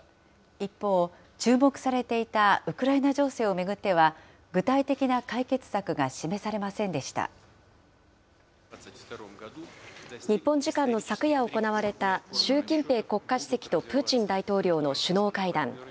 一方、注目されていたウクライナ情勢を巡っては、具体的な解日本時間の昨夜行われた、習近平国家主席とプーチン大統領の首脳会談。